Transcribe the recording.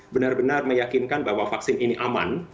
benar benar meyakinkan bahwa vaksin ini aman